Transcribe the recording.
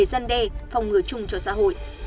làm người chung cho xã hội